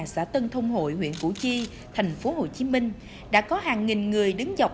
xã tân thông hội huyện củ chi thành phố hồ chí minh đã có hàng nghìn người đứng dọc